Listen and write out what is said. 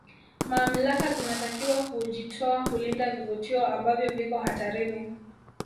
mamlaka zinatakiwa kuujitoa kulinda vivutio ambavyo viko hatarini